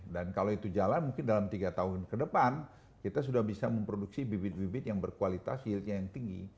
dan kalau itu jalan mungkin dalam tiga tahun ke depan kita sudah bisa memproduksi bibit bibit yang berkualitas yieldnya yang tinggi